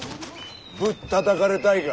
ぶったたかれたいか？